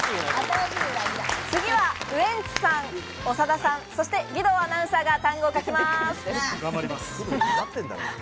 次はウエンツさん、長田さん、義堂アナウンサーが単語を書きます。